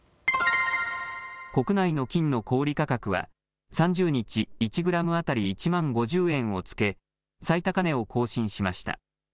国内の金の小売価格は３０日、１グラム当たり１万５０円をつけ最高値を更新しました。